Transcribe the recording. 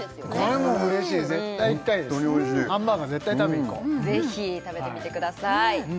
これうれしい絶対行きたいですねハンバーガー絶対食べに行こうぜひ食べてみてください